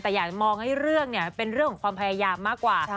แต่อยากมองให้เป็นเรื่องของความพยายามมากกว่า